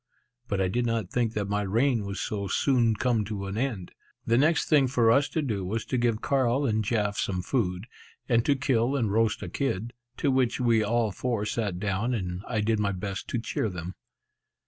But I did not think that my reign was so soon to come to an end. The next thing for us to do was to give Carl and Jaf some food, and to kill and roast a kid, to which we all four sat down, and I did my best to cheer them.